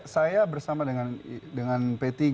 saya bersama dengan p tiga